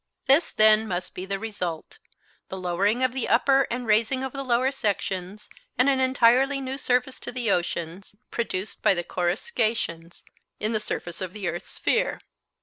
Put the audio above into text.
This, then, must be the result, the lowering of the upper and raising of the lower sections, and an entirely new surface to the oceans, produced by the corruscations in the surface of the earth's sphere.